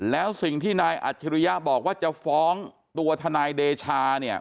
แล้วสิ่งที่นายอัจฉริยะบอกว่าจะฟ้องตัวทนายเดชาเนี่ย